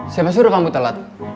siapa suruh kamu telat